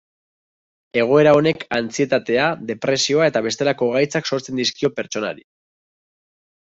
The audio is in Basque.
Egoera honek antsietatea, depresioa eta bestelako gaitzak sortzen dizkio pertsonari.